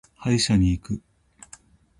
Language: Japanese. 歯医者に行く。